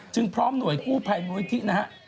จึงพร้อมหน่วยกู้ภัยหน่วยที่นะฮะ